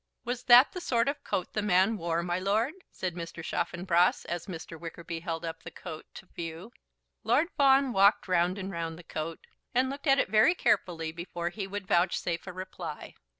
"Was that the sort of coat the man wore, my lord?" said Mr. Chaffanbrass as Mr. Wickerby held up the coat to view. Lord Fawn walked round and round the coat, and looked at it very carefully before he would vouchsafe a reply.